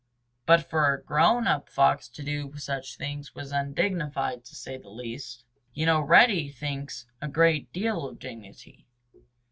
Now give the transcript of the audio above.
But for a grown up Fox to do such things was undignified, to say the least. You know Reddy thinks a great deal of dignity.